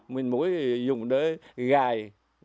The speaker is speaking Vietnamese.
minh mũi dùng để gài